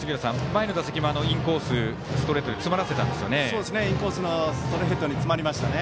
前の打席、インコースストレートで詰まらせたんですよね。